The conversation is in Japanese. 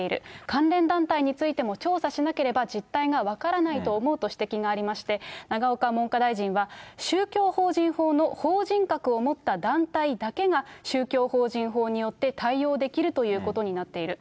関連団体についても調査しなければ実態が分からないと思うと指摘がありまして、永岡文科大臣は、宗教法人法の法人格を持った団体だけが、宗教法人法によって対応できるということになっている。